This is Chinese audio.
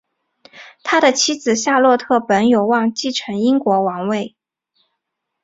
他的妻子夏洛特本有望继承英国王位。